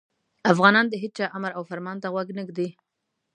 افغانان د هیچا امر او فرمان ته غوږ نه ږدي.